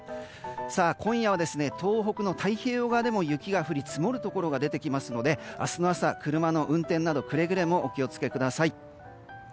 今夜は東北の太平洋側でも雪が降り積もるところが出てきますので明日の朝、車の運転などくれぐれもお気を付けください。